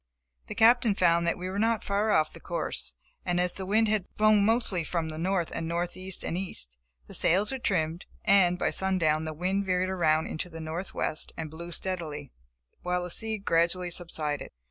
The Captain found that we were not far off the course, as the wind had blown mostly from north, and northeast and east. The sails were trimmed, and, by sundown the wind veered around into the northwest and blew steadily, while the sea gradually subsided.